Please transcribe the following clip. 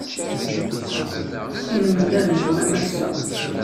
I lmendad-nnem a Massa!